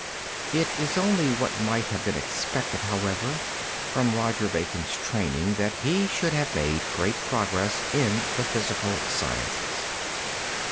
It is only what might have been expected, however, from Roger Bacon's training that he should have made great progress in the physical sciences.